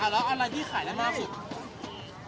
แล้วอะไรที่ขายได้มากสุด